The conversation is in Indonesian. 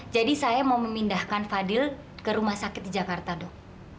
jadi saya mau memindahkan fadil ke rumah sakit di jakarta dok